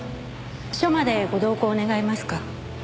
署までご同行願えますか？